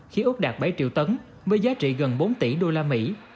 khi ước đạt bảy triệu tấn với giá trị gần bốn tỷ usd